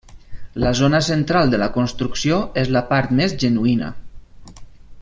La zona central de la construcció és la part més genuïna.